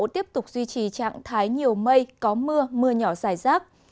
tiếp tục duy trì trạng thái nhiều mây có mưa mưa nhỏ dài rác